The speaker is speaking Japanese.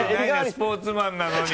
スポーツマンなのに。